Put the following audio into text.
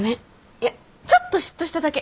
いやちょっと嫉妬しただけ！